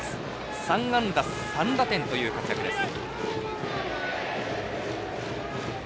３安打３打点という活躍です。